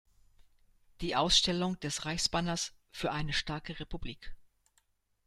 Die Ausstellung des Reichsbanners „Für eine starke Republik!